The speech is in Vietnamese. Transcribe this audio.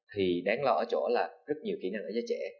thì đáng lo ở chỗ là rất nhiều kỹ năng ở giới trẻ